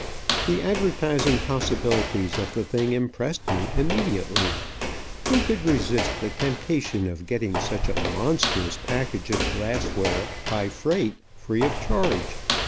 The advertising possibilities of the thing impressed me immediately. Who could resist the temptation of getting such a monstrous package of glassware by freight free of charge?